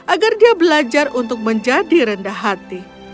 agar dia belajar untuk menjadi rendah hati